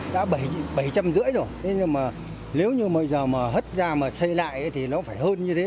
đã bảy trăm rưỡi rồi nếu như bây giờ mà hất ra mà xây lại thì nó phải hơn như thế